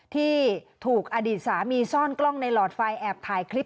ที่ถูกอดีตสามีซ่อนกล้องในหลอดไฟแอบถ่ายคลิป